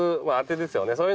まぁあてですよね。